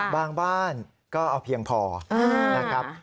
บ้านก็เอาเพียงพอนะครับ